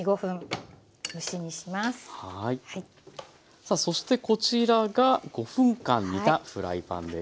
さあそしてこちらが５分間煮たフライパンです。